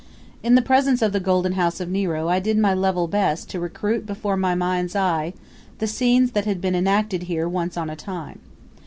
In the presence of the Golden House of Nero I did my level best to recreate before my mind's eye the scenes that had been enacted here once on a time.